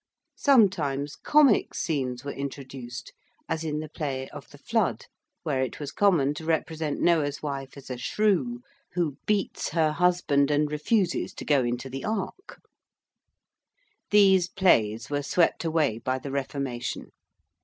Sometimes comic scenes were introduced, as in the play of the 'Flood,' where it was common to represent Noah's wife as a shrew who beats her husband and refuses to go into the Ark. These plays were swept away by the Reformation.